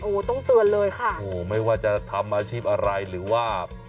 โอ้โหต้องเตือนเลยค่ะโอ้โหไม่ว่าจะทำอาชีพอะไรหรือว่า